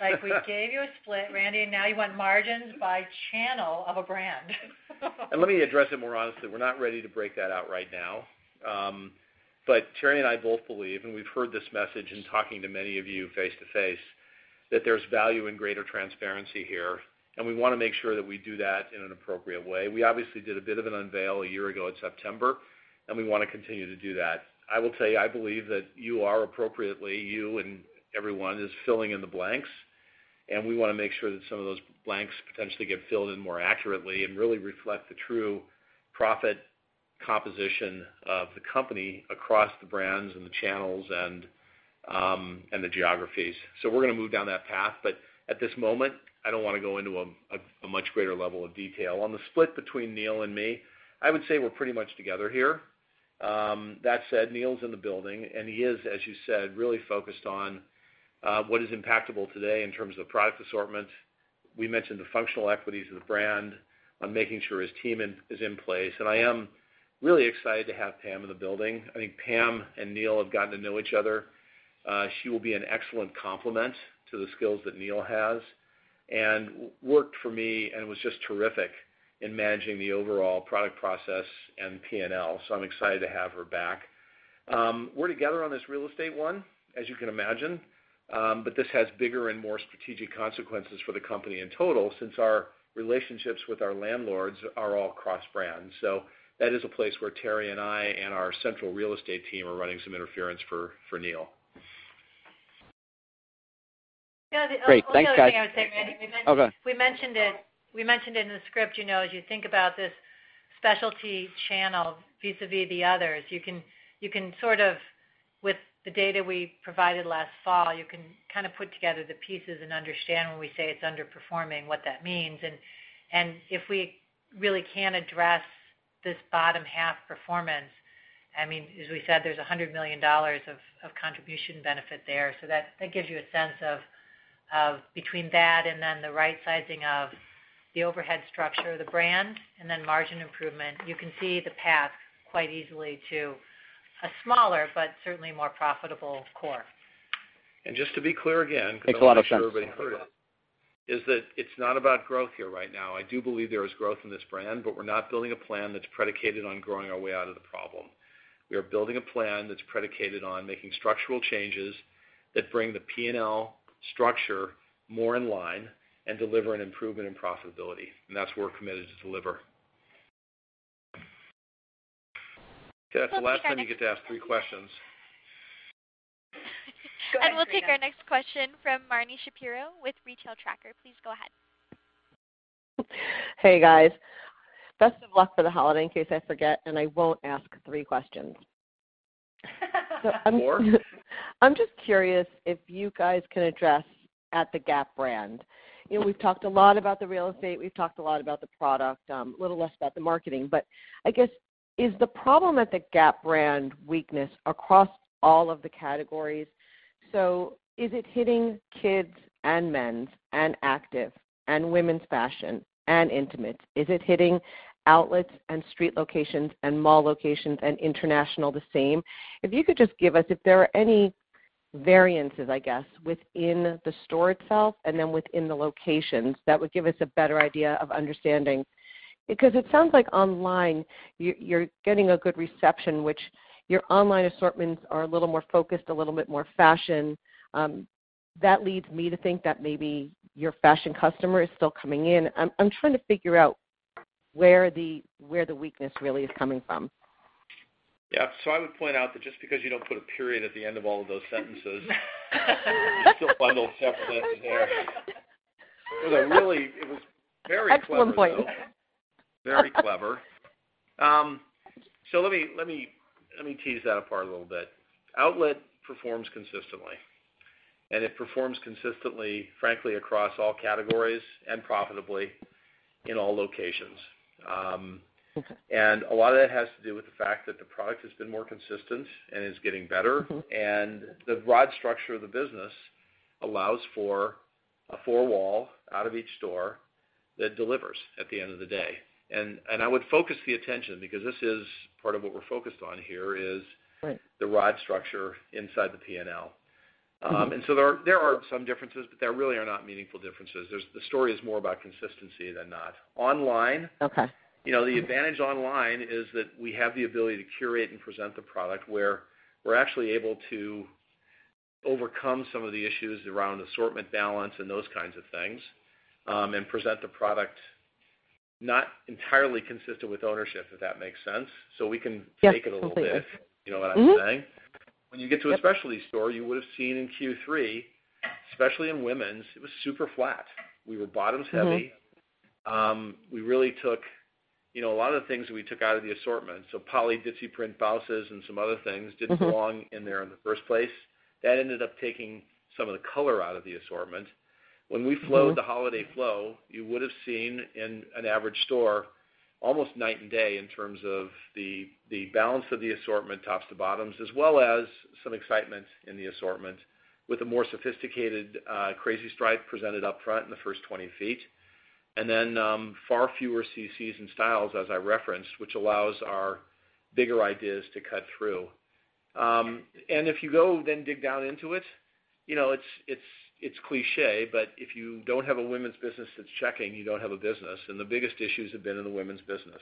Like we gave you a split, Randy; now you want margins by channel of a brand. Let me address it more honestly. We're not ready to break that out right now. Teri and I both believe, we've heard this message in talking to many of you face-to-face, that there's value in greater transparency here; we want to make sure that we do that in an appropriate way. We obviously did a bit of an unveil a year ago in September; we want to continue to do that. I will tell you, I believe that you are appropriately, you and everyone, is filling in the blanks, we want to make sure that some of those blanks potentially get filled in more accurately and really reflect the true profit composition of the company across the brands and the channels and the geographies. We're going to move down that path; at this moment, I don't want to go into a much greater level of detail. On the split between Neil and me, I would say we're pretty much together here. That said, Neil's in the building; he is, as you said, really focused on what is impactable today in terms of product assortment. We mentioned the functional equities of the brand, making sure his team is in place. I am really excited to have Pam in the building. I think Pam and Neil have gotten to know each other. She will be an excellent complement to the skills that Neil has, worked for me and was just terrific in managing the overall product process and P&L. I'm excited to have her back. We're together on this real estate one, as you can imagine. This has bigger and more strategic consequences for the company in total, since our relationships with our landlords are all cross-brand. That is a place where Teri and I and our central real estate team are running some interference for Neil. Great. Thanks, guys. The only other thing I would say, Randy, Oh, go ahead. We mentioned it in the script as you think about this specialty channel vis-à-vis the others. With the data we provided last fall, you can put together the pieces and understand when we say it's underperforming what that means. If we really can address this bottom-half performance, as we said, there's $100 million of contribution benefit there. That gives you a sense of between that and then the right-sizing of the overhead structure of the brand and then margin improvement. You can see the path quite easily to a smaller, but certainly more profitable, core. Just to be clear again. Makes a lot of sense. I'm not sure everybody heard it, is that it's not about growth here right now. I do believe there is growth in this brand, but we're not building a plan that's predicated on growing our way out of the problem. We are building a plan that's predicated on making structural changes that bring the P&L structure more in line and deliver an improvement in profitability. That's what we're committed to deliver. Okay, that's the last time you get to ask three questions. We'll take our next question from Marni Shapiro with Retail Tracker. Please go ahead. Hey, guys. Best of luck for the holiday in case I forget, I won't ask three questions. More? I'm just curious if you guys can address at the Gap brand. We've talked a lot about the real estate; we've talked a lot about the product, a little less about the marketing, I guess, is the problem at the Gap brand weakness across all of the categories? Is it hitting kids' and men's and active and women's fashion and intimates? Is it hitting outlets and street locations and mall locations and international the same? If you could just give us if there are any variances, I guess, within the store itself and then within the locations, that would give us a better idea of understanding. It sounds like online, you're getting a good reception, which your online assortments are a little more focused, a little bit more fashion. That leads me to think that maybe your fashion customer is still coming in. I'm trying to figure out where the weakness really is coming from. Yeah. I would point out that just because you don't put a period at the end of all of those sentences, you still find those sentences there. It was very clever, though. Excellent point. Very clever. Let me tease that apart a little bit. Outlet performs consistently, and it performs consistently, frankly, across all categories and profitably in all locations. Okay. A lot of that has to do with the fact that the product has been more consistent and is getting better. The ROD structure of the business allows for a four-wall out of each store that delivers at the end of the day. I would focus the attention, because this is part of what we're focused on here. Right ROD structure inside the P&L. There are some differences, there really are not meaningful differences. The story is more about consistency than not. Okay The advantage online is that we have the ability to curate and present the product where we're actually able to overcome some of the issues around assortment balance and those kinds of things and present the product not entirely consistent with ownership, if that makes sense. We can take it a little bit. Yes, completely. You know what I'm saying? Yep. When you get to a specialty store, you would've seen in Q3, especially in women's, it was super flat. We were bottoms heavy. A lot of the things that we took out of the assortment, so poly ditsy print blouses and some other things, didn't belong in there in the first place. That ended up taking some of the color out of the assortment. When we flowed the holiday flow, you would've seen in an average store almost night and day in terms of the balance of the assortment tops to bottoms, as well as some excitement in the assortment with a more sophisticated crazy stripe presented up front in the first 20 feet. Then, far fewer CCs and styles, as I referenced, which allows our bigger ideas to cut through. If you go, then dig down into it's cliche, but if you don't have a women's business that's checking, you don't have a business. The biggest issues have been in the women's business.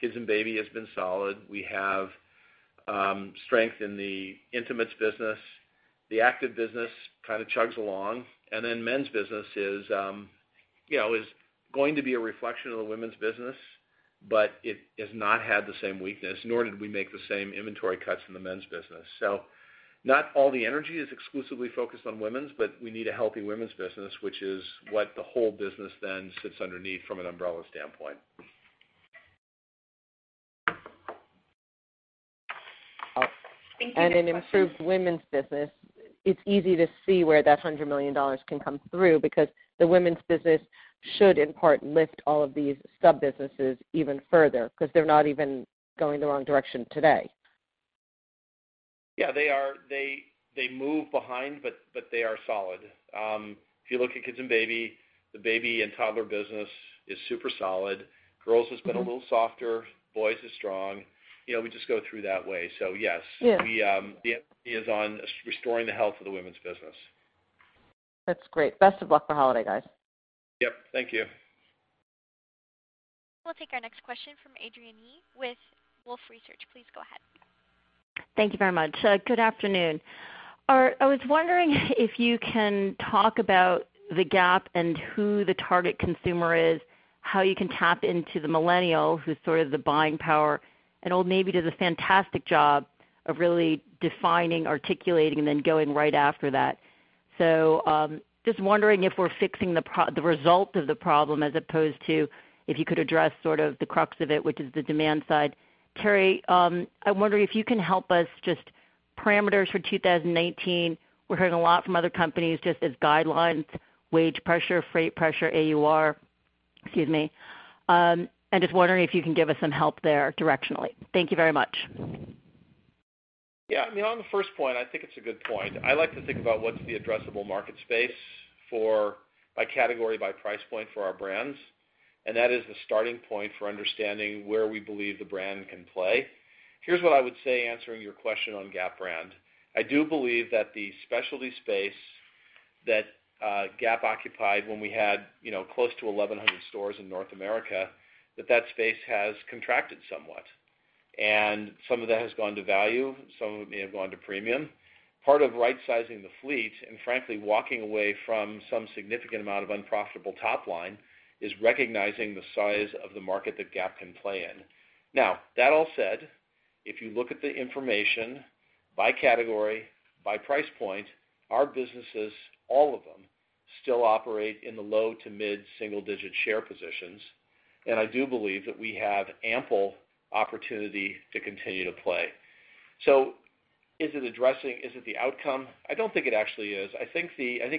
Kids and baby has been solid. We have strength in the intimates business. The active business kind of chugs along. Men's business is going to be a reflection of the women's business, but it has not had the same weakness, nor did we make the same inventory cuts in the men's business. Not all the energy is exclusively focused on women's, but we need a healthy women's business, which is what the whole business then sits underneath from an umbrella standpoint. Thank you. Next question. An improved women's business, it's easy to see where that $100 million can come through because the women's business should, in part, lift all of these sub-businesses even further because they're not even going in the wrong direction today. Yeah. They move behind, but they are solid. If you look at kids and baby, the baby and toddler business is super solid. Girls has been a little softer. Boys is strong. We just go through that way. Yes. Yeah. The emphasis is on restoring the health of the women's business. That's great. Best of luck for holiday, guys. Yep. Thank you. We'll take our next question from Adrienne Yih with Wolfe Research. Please go ahead. Thank you very much. Good afternoon. I was wondering if you can talk about the Gap and who the target consumer is, how you can tap into the millennial, who's sort of the buying power. I know Old Navy does a fantastic job of really defining, articulating, and then going right after that. Just wondering if we're fixing the result of the problem, as opposed to if you could address the crux of it, which is the demand side. Teri, I'm wondering if you can help us, just parameters for 2019. We're hearing a lot from other companies, just as guidelines, wage pressure, freight pressure, AUR. Excuse me. I'm just wondering if you can give us some help there directionally. Thank you very much. Yeah. On the first point, I think it's a good point. I like to think about what's the addressable market space by category, by price point for our brands, and that is the starting point for understanding where we believe the brand can play. Here's what I would say answering your question on Gap brand. I do believe that the specialty space that Gap occupied when we had close to 1,100 stores in North America, that that space has contracted somewhat, and some of that has gone to value; some of it may have gone to premium. Part of right-sizing the fleet, and frankly, walking away from some significant amount of unprofitable top line, is recognizing the size of the market that Gap can play in. That all said, if you look at the information by category, by price point, our businesses, all of them, still operate in the low to mid-single-digit share positions, and I do believe that we have ample opportunity to continue to play. Is it addressing, is it the outcome? I don't think it actually is. I think,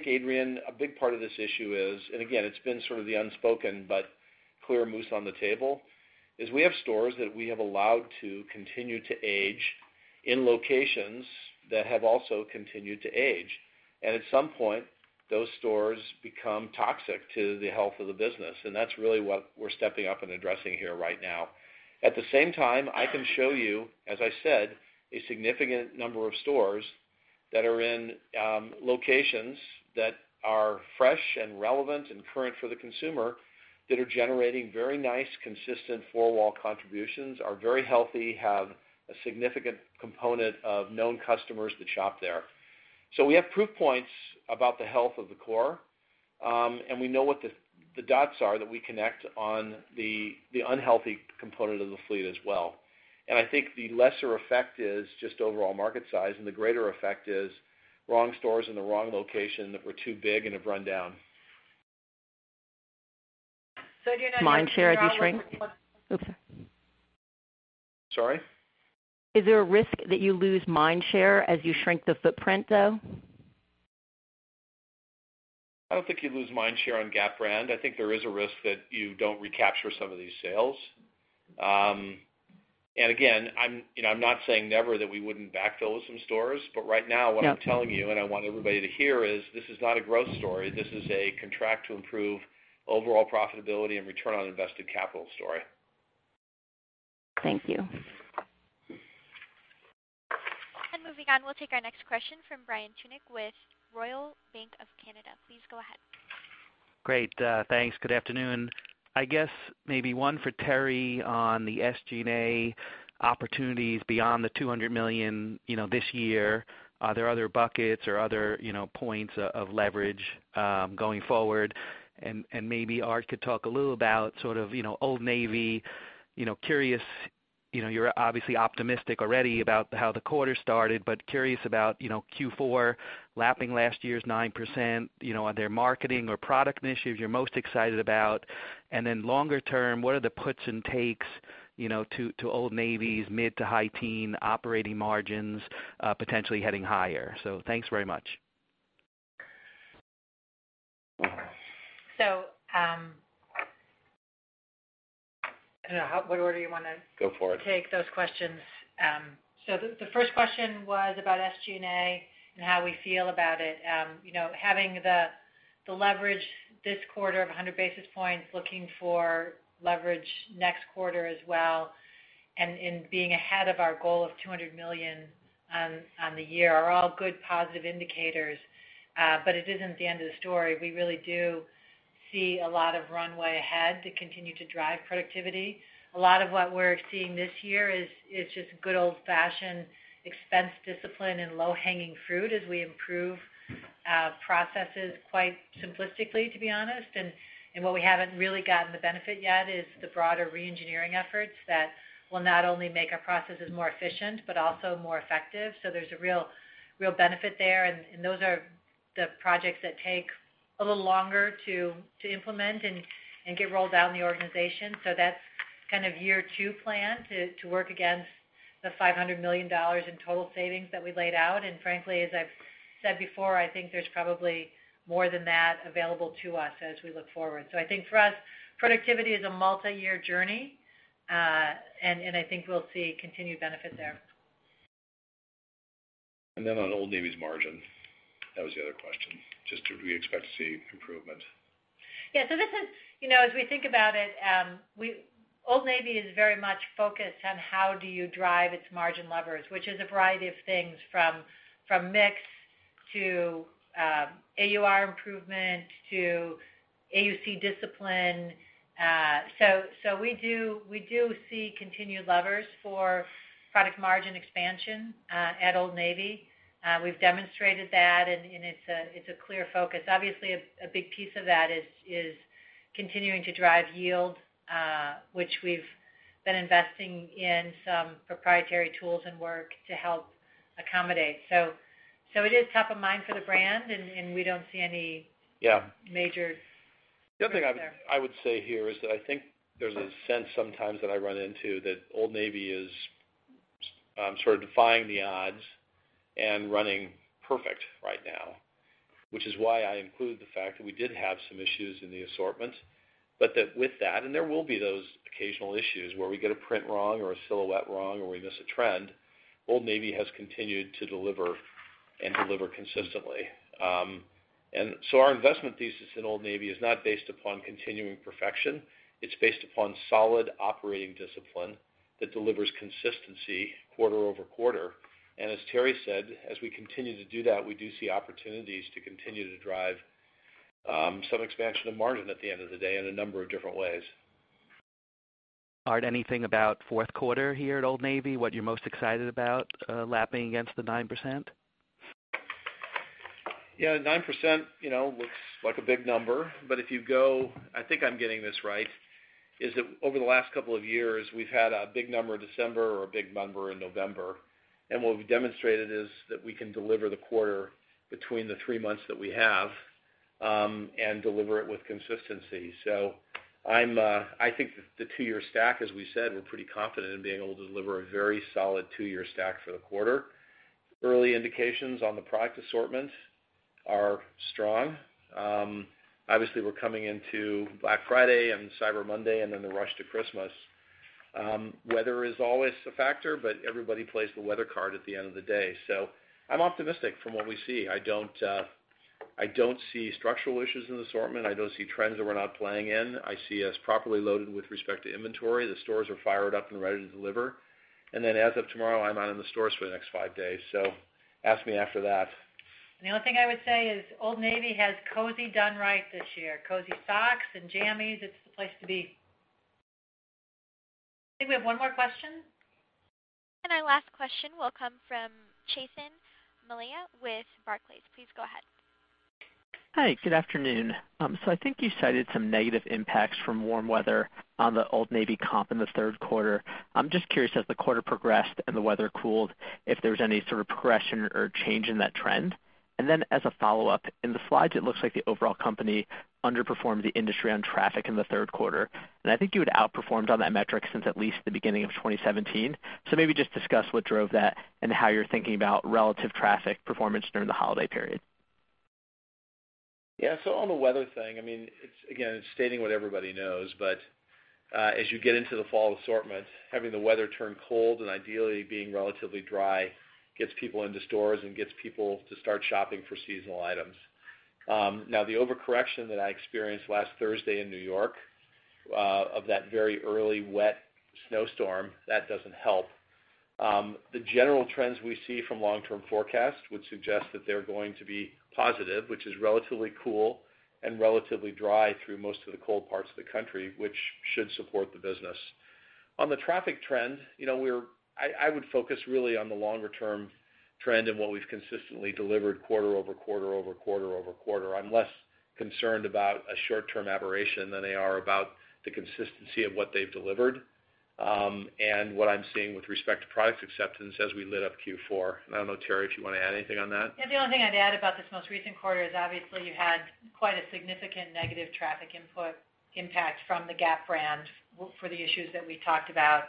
Adrienne, a big part of this issue is, and again, it's been sort of the unspoken but clear moose on the table, is we have stores that we have allowed to continue to age in locations that have also continued to age. At some point, those stores become toxic to the health of the business, and that's really what we're stepping up and addressing here right now. At the same time, I can show you, as I said, a significant number of stores that are in locations that are fresh and relevant and current for the consumer, that are generating very nice, consistent four-wall contributions, are very healthy, have a significant component of known customers that shop there. We have proof points about the health of the core, and we know what the dots are that we connect on the unhealthy component of the fleet as well. I think the lesser effect is just overall market size, and the greater effect is wrong stores in the wrong location that were too big and have run down. Mind share as you shrink- Sorry? Is there a risk that you lose mind share as you shrink the footprint, though? I don't think you lose mind share on Gap brand. I think there is a risk that you don't recapture some of these sales. Again, I'm not saying never that we wouldn't backfill with some stores; right now what I'm telling you, and I want everybody to hear, is this is not a growth story. This is a contract to improve overall profitability and return on invested capital story. Thank you. Moving on, we'll take our next question from Brian Tunick with Royal Bank of Canada. Please go ahead. Great. Thanks. Good afternoon. I guess maybe one for Teri on the SG&A opportunities beyond the $200 million this year. Are there other buckets or other points of leverage going forward? Maybe Art could talk a little about Old Navy. Curious, you're obviously optimistic already about how the quarter started but curious about Q4, lapsing last year's 9%, are there marketing or product initiatives you're most excited about? Then longer term, what are the puts and takes to Old Navy's mid-to-high-teen operating margins potentially heading higher? Thanks very much. I don't know what order you want to. Go for it Take those questions. The first question was about SG&A and how we feel about it. Having the leverage this quarter of 100 basis points, looking for leverage next quarter as well, and being ahead of our goal of $200 million on the year are all good positive indicators. It isn't the end of the story. We really do see a lot of runway ahead to continue to drive productivity. A lot of what we're seeing this year is just good old-fashioned expense discipline and low-hanging fruit as we improve processes quite simplistically, to be honest. What we haven't really gotten the benefit yet is the broader re-engineering efforts that will not only make our processes more efficient but also more effective. There's a real benefit there, and those are the projects that take a little longer to implement and get rolled out in the organization. That's year two plan, to work against the $500 million in total savings that we laid out. Frankly, as I've said before, I think there's probably more than that available to us as we look forward. I think for us, productivity is a multi-year journey, and I think we'll see continued benefit there. On Old Navy's margin, that was the other question. Just do we expect to see improvement? Yeah. As we think about it, Old Navy is very much focused on how do you drive its margin levers, which is a variety of things, from mix to AUR improvement to AUC discipline. We do see continued levers for product margin expansion at Old Navy. We've demonstrated that, and it's a clear focus; obviously a big piece of that is continuing to direct yield, which we've been investing in some proprietary tools and work to help accommodate. It is top of mind for the brand. Yeah Major there. The other thing I would say here is that I think there's a sense sometimes that I run into that Old Navy is sort of defying the odds and running perfect right now, which is why I include the fact that we did have some issues in the assortments. That with that, and there will be those occasional issues where we get a print wrong or a silhouette wrong, or we miss a trend, Old Navy has continued to deliver consistently. Our investment thesis in Old Navy is not based upon continuing perfection. It's based upon solid operating discipline that delivers consistency quarter-over-quarter. As Teri said, as we continue to do that, we do see opportunities to continue to drive some expansion of margin at the end of the day in a number of different ways. Art, anything about fourth quarter here at Old Navy? What you're most excited about, lapping against the 9%? Yeah, 9% looks like a big number. If you go, I think I'm getting this right, is that over the last couple of years, we've had a big number in December or a big number in November. What we've demonstrated is that we can deliver the quarter between the three months that we have and deliver it with consistency. I think that the two-year stack, as we said, we're pretty confident in being able to deliver a very solid two-year stack for the quarter. Early indications on the product assortment are strong. Obviously, we're coming into Black Friday and Cyber Monday and then the rush to Christmas. Weather is always a factor, but everybody plays the weather card at the end of the day. I'm optimistic from what we see. I don't see structural issues in the assortment. I don't see trends that we're not playing in. I see us properly loaded with respect to inventory. The stores are fired up and ready to deliver. As of tomorrow, I'm out in the stores for the next five days, so ask me after that. The only thing I would say is Old Navy has cozy done right this year. Cozy socks and jammies. It's the place to be. I think we have one more question. Our last question will come from Chasen Malia with Barclays. Please go ahead. Hi, good afternoon. I think you cited some negative impacts from warm weather on the Old Navy comp in the third quarter. I'm just curious, as the quarter progressed and the weather cooled, if there was any sort of progression or change in that trend. As a follow-up, in the slides, it looks like the overall company underperformed the industry on traffic in the third quarter. I think you had outperformed on that metric since at least the beginning of 2017. Maybe just discuss what drove that and how you're thinking about relative traffic performance during the holiday period. Yeah. On the weather thing, again, it's stating what everybody knows, but as you get into the fall assortment, having the weather turn cold and ideally being relatively dry gets people into stores and gets people to start shopping for seasonal items. The overcorrection that I experienced last Thursday in New York, of that very early wet snowstorm, that doesn't help. The general trends we see from long-term forecasts would suggest that they're going to be positive, which is relatively cool and relatively dry through most of the cold parts of the country, which should support the business. On the traffic trend, I would focus really on the longer-term trend and what we've consistently delivered quarter-over-quarter over quarter-over-quarter. I'm less concerned about a short-term aberration than they are about the consistency of what they've delivered and what I'm seeing with respect to product acceptance as we lit up Q4. I don't know, Teri, if you want to add anything on that. Yeah, the only thing I'd add about this most recent quarter is obviously you had quite a significant negative traffic input impact from the Gap Brand for the issues that we talked about.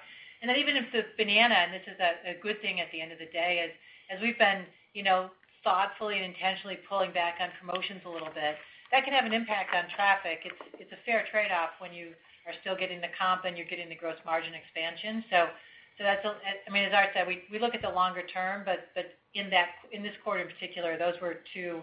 That even if the Banana, and this is a good thing at the end of the day, is, as we've been thoughtfully and intentionally pulling back on promotions a little bit, that can have an impact on traffic. It's a fair trade-off when you are still getting the comp and you're getting the gross margin expansion. As Art said, we look at the longer term, but in this quarter in particular, those were two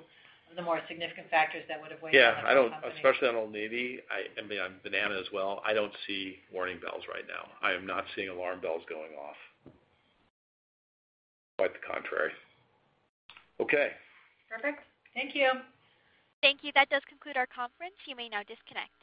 of the more significant factors that would have weighed on the company. Yeah. Especially on Old Navy, on Banana as well, I don't see warning bells right now. I am not seeing alarm bells going off. Quite the contrary. Okay. Perfect. Thank you. Thank you. That does conclude our conference. You may now disconnect.